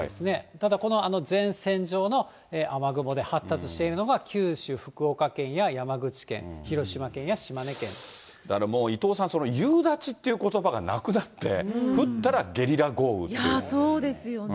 ただこの前線上の雨雲で、発達しているのが九州、福岡県や山口県、だからもう、伊藤さん、夕立っていうことばがなくなって、そうですよね。